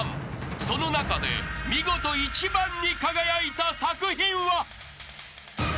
［その中で見事一番に輝いた作品は］